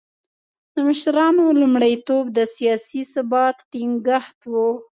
د مشرانو لومړیتوب د سیاسي ثبات ټینګښت و.